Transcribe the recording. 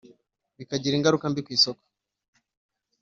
bikagira ingaruka mbi ku isoko